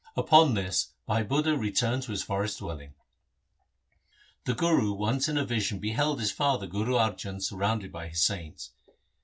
Upon this Bhat Budha returned to his forest dwelling. The Guru once in a vision beheld his father Guru Arjan surrounded by his saints.